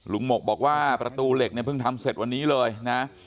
หมกบอกว่าประตูเหล็กเนี่ยเพิ่งทำเสร็จวันนี้เลยนะ